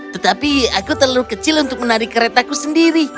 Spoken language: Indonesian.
tetapi aku terlalu kecil untuk menarik keretaku sendiri